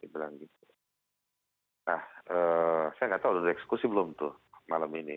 saya nggak tahu udah di eksekusi belum tuh malam ini